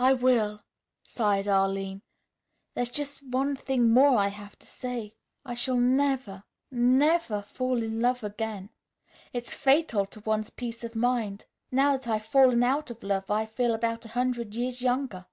"I will," sighed Arline. "There's just one thing more I have to say. I shall never, never fall in love again. It's fatal to one's peace of mind. Now that I've fallen out of love, I feel about a hundred years younger.